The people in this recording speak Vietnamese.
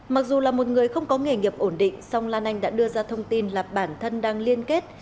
mặc dù là một người không có nghề nghiệp ổn định song lan anh đã đưa ra thông tin là bản thân đang liên kết